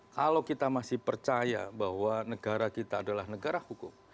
kalau kita masih percaya bahwa negara kita adalah negara hukum